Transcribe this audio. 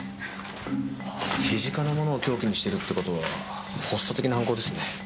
あぁ手近な物を凶器にしてるって事は発作的な犯行ですね。